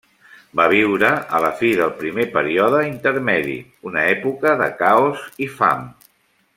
Va viure a la fi del primer període intermedi, una època de caos i fam.